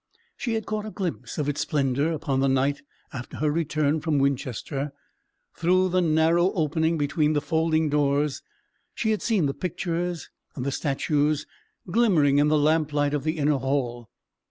She had caught a glimpse of its splendour upon the night after her return from Winchester. Through the narrow opening between the folding doors she had seen the pictures and the statues glimmering in the lamplight of the inner hall.